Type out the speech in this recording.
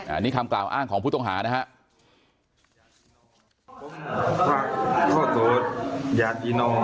อันนี้คำกล่าวอ้างของผู้ต้องหานะครับ